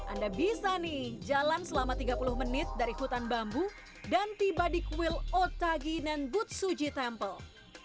anda bisa nih jalan selama tiga puluh menit dari hutan bambu dan tiba di kuil otagi nan butsuji tempel